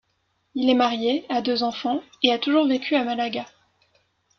Il est marié, a deux enfants, et a toujours vécu à Malaga.